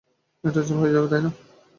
এটা অচল হয়ে যাবে, তাই না?